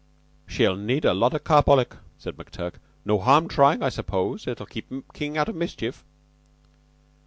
"She'll need a lot o' carbolic," said McTurk. "No harm tryin', I suppose. It keeps King out of mischief."